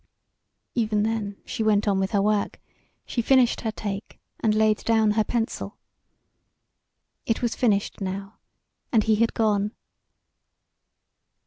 Even then she went on with her work; she finished her "take" and laid down her pencil. It was finished now and he had gone.